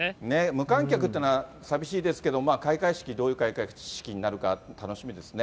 無観客っていうのは寂しいですけど、開会式、どういう開会式になるか楽しみですね。